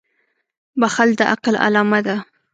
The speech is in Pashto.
• بښل د عقل علامه ده.